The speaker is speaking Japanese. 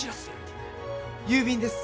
郵便です。